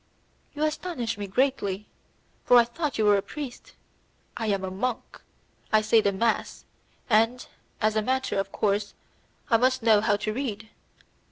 "You astonish me greatly, for I thought you were a priest." "I am a monk; I say the mass, and, as a matter of course, I must know how to read.